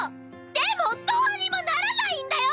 でもどうにもならないんだよ！